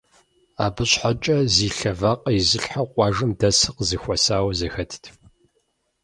Абы щхьэкӀэ зи лъэ вакъэ изылъхьэу къуажэм дэсыр къызэхуэсауэ зэхэтт.